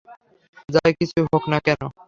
যা কিছুই হোক না কেনো!